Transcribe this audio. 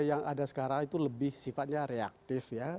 yang ada sekarang itu lebih sifatnya reaktif ya